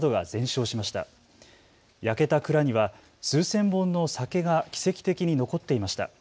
焼けた蔵には数千本の酒が奇跡的に残っていました。